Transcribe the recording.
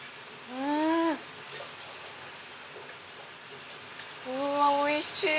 うわっおいしい！